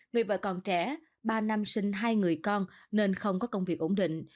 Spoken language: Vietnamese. người vợ còn trẻ ba nam sinh hai người con nên không có công việc ổn định